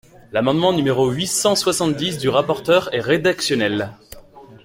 L’amendement numéro huit cent soixante-dix du rapporteur est rédactionnel.